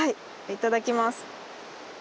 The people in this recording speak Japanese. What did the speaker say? いただきます。